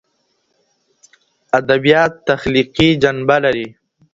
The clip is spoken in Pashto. ادبیات تخلیقي جنبه لري.